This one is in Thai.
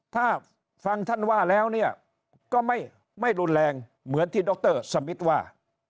ถ้าฟังท่านว่าแล้วเนี่ยก็ไม่รุนแรงเหมือนที่ดรสมิทว่า